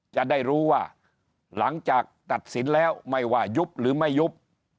จะได้รู้ว่าหลังจากตัดสินแล้วไม่ว่ายุบหรือไม่ยุบ